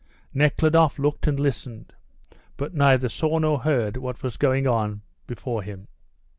Nekhludoff looked and listened, but neither saw nor heard what was going on before him.